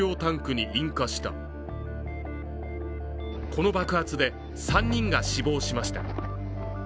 この爆発で３人が死亡しました。